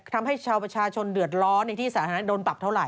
ทำให้ชาวประชาชนเดือดร้อนในที่สาธารณะโดนปรับเท่าไห